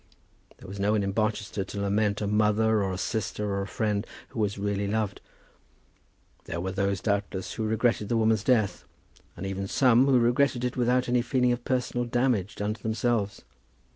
There was no one in Barchester to lament a mother, or a sister, or a friend who was really loved. There were those, doubtless, who regretted the woman's death, and even some who regretted it without any feeling of personal damage done to themselves.